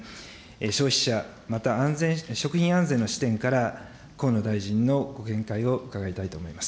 消費者、また食品安全の視点から、河野大臣のご見解を伺いたいと思います。